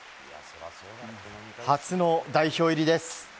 初の代表入りです。